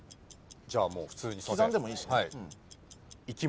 じゃあもう普通に。